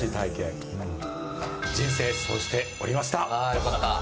よかった！